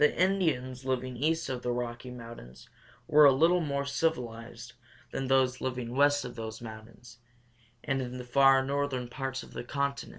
The Indians living east of the Rocky Mountains were a little more civilized than those living west of those mountains and in the far northern parts of the continent.